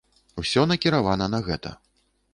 Усё накіравана на гэта.